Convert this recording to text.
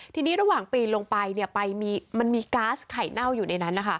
ทีนี้ระหว่างปีนลงไปมันมีก๊าซไข่เน่าอยู่ในนั้น